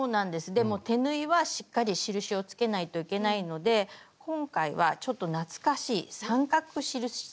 でも手縫いはしっかり印を付けないといけないので今回はちょっと懐かしい三角印付けを使います。